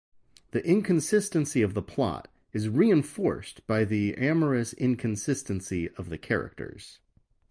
The inconsistency of the plot is reinforced by the amorous inconsistency of the characters.